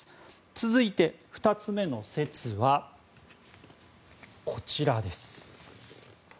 続いて、２つ目の説はこちらです。